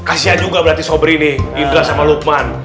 kasihan juga berarti sobrini idla sama lukman